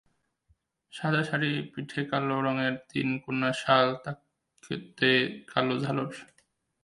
সাদা শাড়ি, পিঠে কালো রঙের তিনকোণা শাল, তাতে কালো ঝালর।